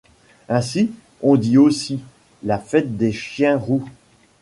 Ainsi, on dit aussi ‘‘la fête des chiens roux’’.